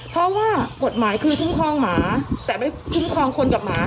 เพราะว่ากฎหมายคือคุ้มครองหมาแต่ไม่คุ้มครองคนกับหมา